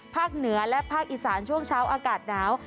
เหนือและภาคอีสานช่วงเช้าอากาศหนาว